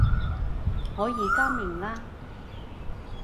我而家明喇